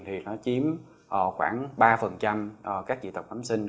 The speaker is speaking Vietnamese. thì có thể là ba các dị tật bẩm sinh